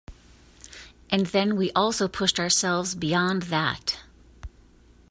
And then we also pushed ourselves beyond that.